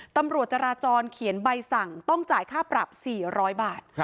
ตำรวจจราจรเขียนใบสั่งต้องจ่ายค่าปรับ๔๐๐บาท